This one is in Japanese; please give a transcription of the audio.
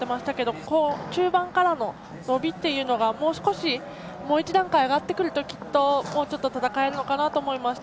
ここ、中盤からの伸びというのがもう少し、もう一段階上がってくると、きっともうちょっと戦えるのかなと思いました。